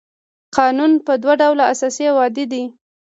قانون په دوه ډوله اساسي او عادي دی.